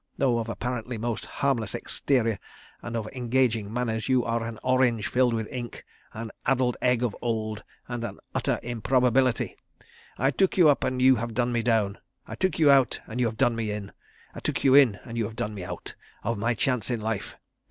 Though of apparently most harmless exterior and of engaging manners, you are an orange filled with ink, an addled egg of old, and an Utter Improbability. I took you up and you have done me down. I took you out and you have done me in. I took you in and you have done me out—of my chance in life.